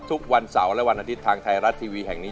ทุกวันเสาร์และวันอาทิตย์ทางไทยรัฐทีวีแห่งนี้